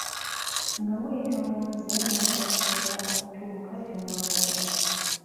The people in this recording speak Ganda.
Nga muyita mu nze mujja kusobola okutuuka gye mwagala.